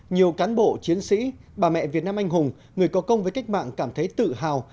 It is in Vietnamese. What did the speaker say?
nhiều cán bộ chiến sĩ bà mẹ việt nam anh hùng người có công với cách mạng cảm thấy tự hào